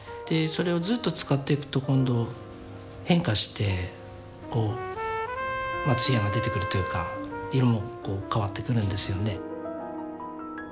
でそれをずっと使っていくと今度変化してこう艶が出てくるというか色もこう変わってくるんですよね。